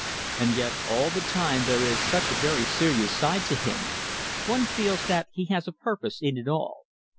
And yet, all the time there is such a very serious side to him. One feels that he has a purpose in it all."